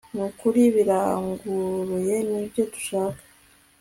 nukuri biranguruye nibyo dushaka